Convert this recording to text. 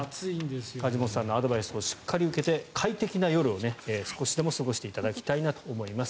梶本さんのアドバイスをしっかりと受けて、快適な夜を少しでも過ごしていただきたいと思います。